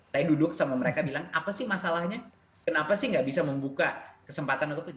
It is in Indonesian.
saya duduk sama mereka bilang apa sih masalahnya kenapa sih nggak bisa membuka kesempatan untuk